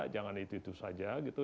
jangan itu itu saja gitu